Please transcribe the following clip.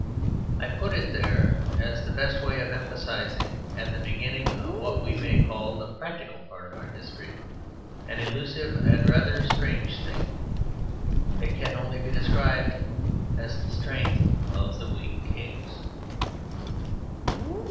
I put it there as the best way of emphasizing, at the beginning of what we may call the practical part of our history, an elusive and rather strange thing. It can only be described as the strength of the weak kings.